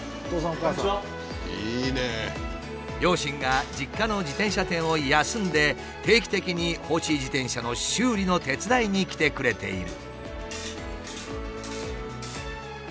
両親が実家の自転車店を休んで定期的に放置自転車の修理の手伝いに来てくれている。